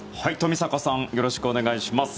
冨坂さんよろしくお願いします。